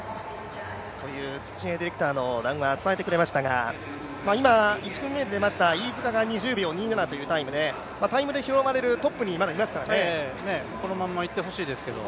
という土江ディレクターが伝えてくれましたが、今、１組目で出た飯塚が２０秒２７というタイムでタイムで拾われるまだトップにいますからねこのまんまいってほしいですけど。